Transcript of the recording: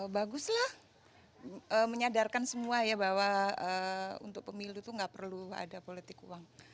baguslah menyadarkan semua ya bahwa untuk pemilu itu nggak perlu ada politik uang